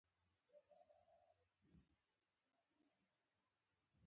بې له دې چې ظلم عدل ته وګوري